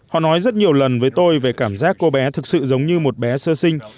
họ nói rất nhiều lần với tôi về cảm giác cô bé thực sự giống như một bé sơ sinh